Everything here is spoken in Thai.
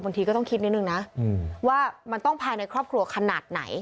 ทีก็ต้องคิดนิดนึงนะว่ามันต้องภายในครอบครัวขนาดไหน